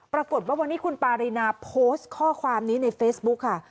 ปรากฏว่าวันนี้คุณปารีนาโพสต์ข้อความนี้ในเฟซบุ๊คค่ะ